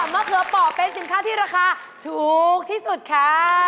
มะเขือป่อเป็นสินค้าที่ราคาถูกที่สุดค่ะ